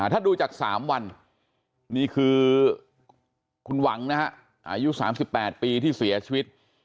ถ้าดูจาก๓วันนี่คือคุณหวังนะฮะอายุ๓๘ปีที่เสียชีวิต